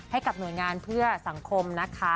ให้กับหน่วยงานเพื่อสังคมนะคะ